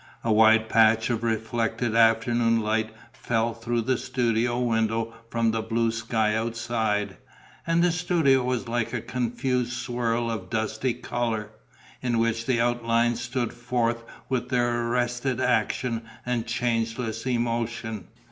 A wide patch of reflected afternoon light fell through the studio window from the blue sky outside; and the studio was like a confused swirl of dusty colour, in which the outlines stood forth with their arrested action and changeless emotion.